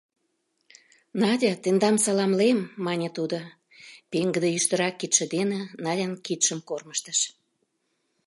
— Надя, тендам саламлем, — мане тудо, пеҥгыде, йӱштырак кидше дене Надян кидшым кормыжтыш.